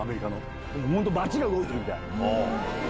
街が動いてるみたい。